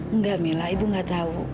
enggak mila ibu gak tau